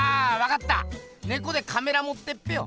ネコでカメラもってっぺよ。